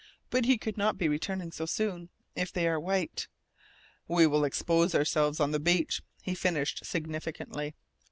But he could not be returning so soon. If they are white " "We will expose ourselves on the beach," he finished significantly.